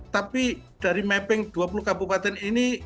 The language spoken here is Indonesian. tapi dari mapping dua puluh kabupaten ini